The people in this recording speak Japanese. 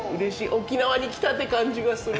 沖縄に来たって感じがする。